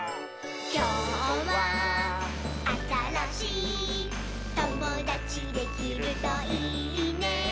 「きょうはあたらしいともだちできるといいね」